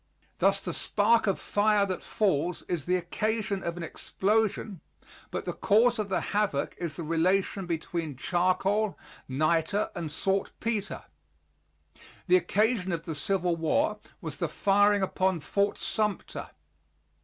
Thus the spark of fire that falls is the occasion of an explosion, but the cause of the havoc is the relation between charcoal, niter and saltpeter. The occasion of the Civil War was the firing upon Fort Sumter.